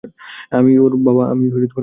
আমিই ওর মা ও বাবা হবো।